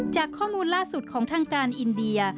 จากข้อมูลล่าสุดของทางการอินเดีย